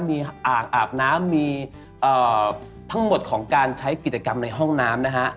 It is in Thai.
มีอ่างอาบน้ำมีทั้งหมดของการใช้กิจกรรมในห้องน้ำนะฮะ